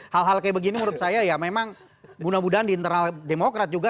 hal hal kayak begini menurut saya ya memang mudah mudahan di internal demokrat juga